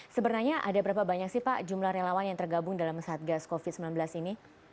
sebenarnya ada berapa banyak sih pak jumlah relawan yang tergabung dalam satgas covid sembilan belas ini